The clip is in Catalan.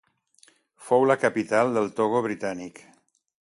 Fou la capital del Togo Britànic.